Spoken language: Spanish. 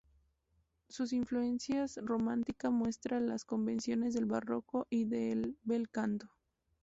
Sus influencias romántica muestran las convenciones del Barroco y del bel canto.